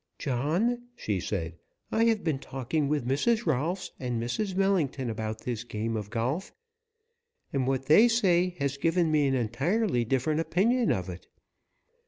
"John," she said, "I have been talking with Mrs. Rolfs and Mrs. Millington about this game of golf, and what they say has given me an entirely different opinion of it.